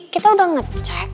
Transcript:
kita udah ngecek